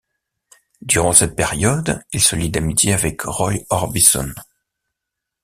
Durant cette période, il se lie d'amitié avec Roy Orbison.